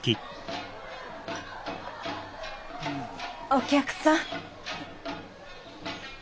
お客さん。